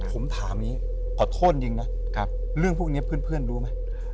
ผมถามอย่างนี้ขอโทษจริงนะเรื่องพวกนี้เพื่อนรู้ไหม